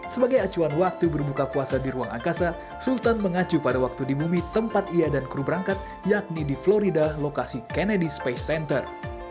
sebagai acuan waktu berbuka puasa di ruang angkasa sultan mengacu pada waktu di bumi tempat ia dan kru berangkat yakni di florida lokasi kennedy space center